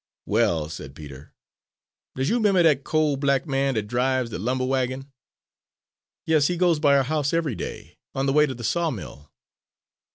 "Well," said Peter, "does you 'member dat coal black man dat drives de lumber wagon?" "Yes, he goes by our house every day, on the way to the sawmill."